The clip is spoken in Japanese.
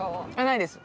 ないです。